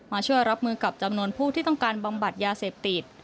ช่วยรับมือกับจำนวนผู้ที่ต้องการบำบัดยาเสพติด